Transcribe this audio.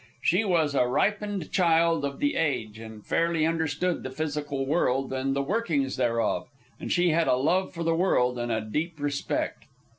She was a ripened child of the age, and fairly understood the physical world and the workings thereof. And she had a love for the world, and a deep respect.